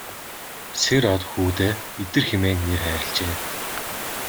Сэр-Од хүүдээ Идэр хэмээн нэр хайрлажээ.